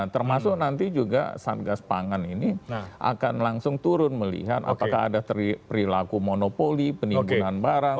termasuk nanti juga satgas pangan ini akan langsung turun melihat apakah ada perilaku monopoli penimbunan barang